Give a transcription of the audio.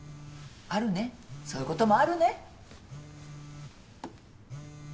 あるねそういうこともあるね。